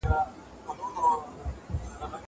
زه بايد موسيقي اورم!!